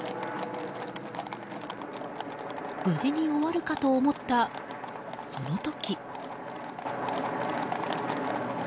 無事に終わるかと思った、その時。